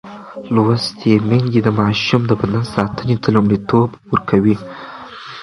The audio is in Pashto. لوستې میندې د ماشوم د بدن ساتنې ته لومړیتوب ورکوي.